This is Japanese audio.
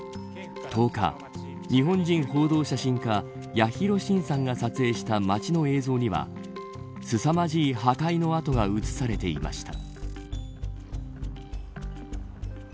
１０日、日本人報道写真家八尋伸さんが撮影した町の映像にはすさまじい破壊の跡が映されていました。